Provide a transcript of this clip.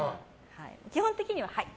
基本的には、はい。